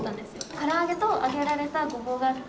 から揚げと揚げられたごぼうがあって。